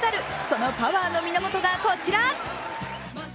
そのパワーの源がこちら。